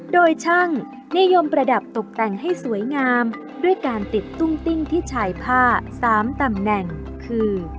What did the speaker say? โดยช่างนิยมประดับตกแต่งให้สวยงามด้วยการติดตุ้งติ้งที่ชายผ้า๓ตำแหน่งคือ